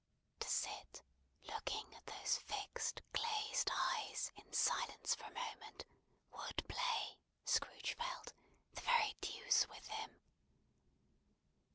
To sit, staring at those fixed glazed eyes, in silence for a moment, would play, Scrooge felt, the very deuce with him.